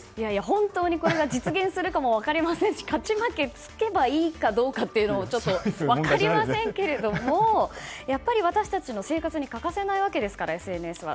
本当にこれが実現するかも分かりませんし勝ち負けがつけばいいかどうかというのもちょっと分かりませんけれどもやっぱり私たちの生活に欠かせないわけですからＳＮＳは。